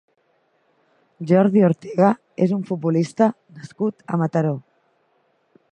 Jordi Ortega és un futbolista nascut a Mataró.